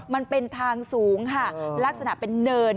มันเป็นทางสูงค่ะลักษณะเป็นเนิน